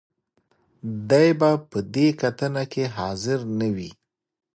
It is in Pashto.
دې به په دې کتنه کې حاضر نه وي.